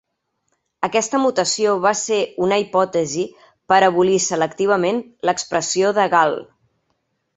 Aquesta mutació va ser una hipòtesi per abolir selectivament l'expressió de Gal.